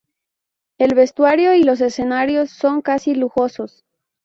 El vestuario y los escenarios son casi lujosos.